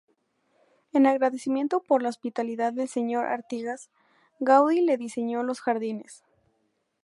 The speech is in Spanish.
En agradecimiento por la hospitalidad del señor Artigas, Gaudí le diseñó los jardines.